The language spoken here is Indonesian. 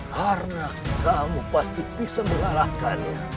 karena kamu pasti bisa mengalahkannya